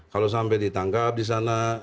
kalau sampai ditangkap di sana